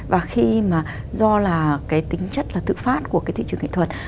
và khi mà do là cái tính chất là tự phát của cái thị trường nghệ thuật